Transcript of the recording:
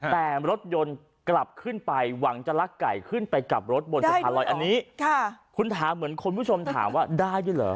แต่รถยนต์กลับขึ้นไปหวังจะลักไก่ขึ้นไปกลับรถบนสะพานลอยอันนี้คุณถามเหมือนคุณผู้ชมถามว่าได้ด้วยเหรอ